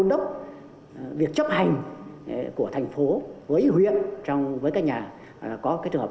đồng thời cũng là kiểm tra đôn đốc việc chấp hành của thành phố với huyện với các nhà có cái trường hợp